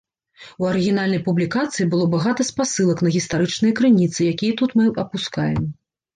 У арыгінальнай публікацыі было багата спасылак на гістарычныя крыніцы, якія тут мы апускаем.